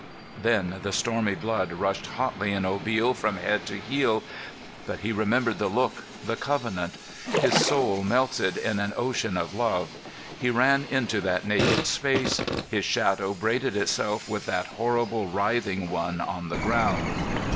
Then the stormy blood rushed hotly in Obil from head to heel. But he remembered the Look, the Covenant. His soul melted in an ocean of love. He ran into that naked space. His shadow braided itself with that horrible writhing one on the ground.